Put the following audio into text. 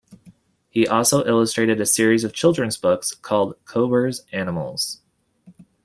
He also illustrated a series of children's books, called "Cober's Animals".